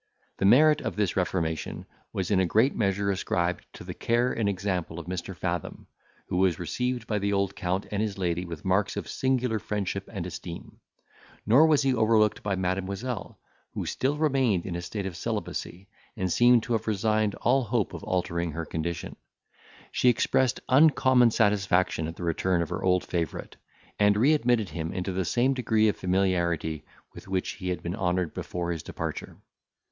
The merit of this reformation was in a great measure ascribed to the care and example of Mr. Fathom, who was received by the old Count and his lady with marks of singular friendship and esteem; nor was he overlooked by Mademoiselle, who still remained in a state of celibacy, and seemed to have resigned all hope of altering her condition; she expressed uncommon satisfaction at the return of her old favourite, and readmitted him into the same degree of familiarity with which he had been honoured before his departure.